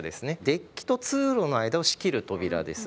デッキと通路の間を仕切る扉です。